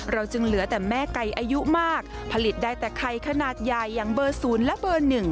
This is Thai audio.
จึงเหลือแต่แม่ไก่อายุมากผลิตได้แต่ไข่ขนาดใหญ่อย่างเบอร์๐และเบอร์๑